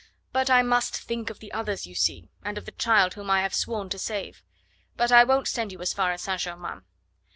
But I must think of the others, you see, and of the child whom I have sworn to save. But I won't send you as far as St. Germain.